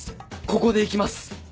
ここでいきます。